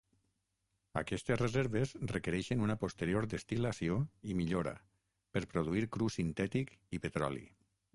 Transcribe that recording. Aquestes reserves requereixen una posterior destil·lació i millora per produir cru sintètic i petroli.